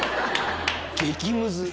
激ムズ。